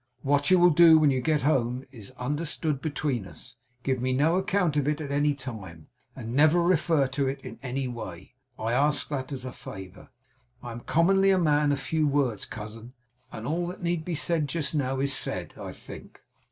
What you will do when you get home is understood between us. Give me no account of it at any time; and never refer to it in any way. I ask that as a favour. I am commonly a man of few words, cousin; and all that need be said just now is said, I think.